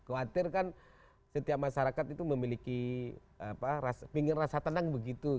khawatirkan setiap masyarakat itu memiliki pingin rasa tenang begitu